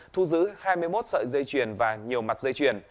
thu giữ hai mươi một sợi dây chuyền và nhiều mặt dây chuyển